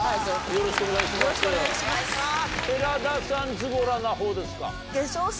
よろしくお願いします。